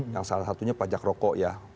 yang salah satunya pajak rokok ya